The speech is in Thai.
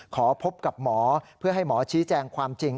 ขอพบกับหมอเพื่อให้หมอชี้แจงความจริง